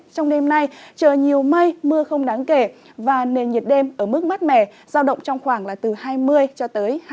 trong đêm nay trời nhiều mây mưa không đáng kể và nền nhiệt đêm ở mức mát mẻ giao động trong khoảng là từ hai mươi cho tới hai mươi độ